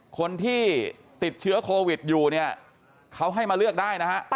คนที่ติดเชื้อโควิดอยู่เนี่ยเขาให้มาเลือกได้นะฮะ